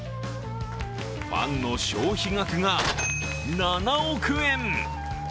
ファンの消費額が７億円！